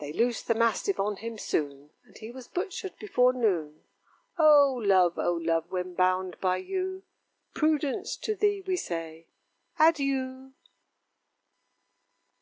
They loosed the mastiff on him soon, And he was butchered before noon. O Love! O Love! when bound by you, Prudence, to thee we say, Adieu!